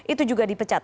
itu juga dipecat